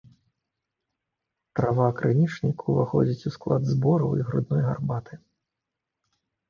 Трава крынічніку ўваходзіць у склад збораў і грудной гарбаты.